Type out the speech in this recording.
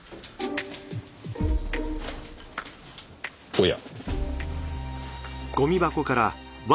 おや。